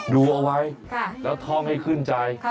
ดูเอาไว้แล้วท่องให้ขึ้นใจ